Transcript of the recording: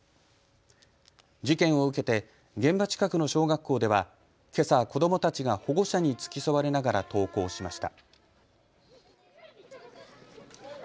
事件を受けて現場近くの小学校ではけさ子どもたちが保護者に付き添われながら登校しました。